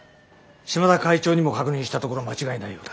島田会長にも確認したところ間違いないようだ。